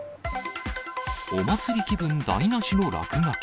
お祭り気分台なしの落書き。